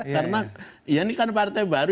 karena ini kan partai baru